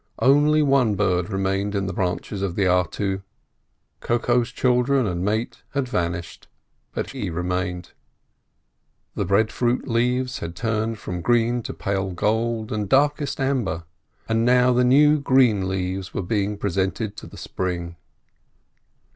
Only one bird remained in the branches of the artu: Koko's children and mate had vanished, but he remained. The breadfruit leaves had turned from green to pale gold and darkest amber, and now the new green leaves were being presented to the spring.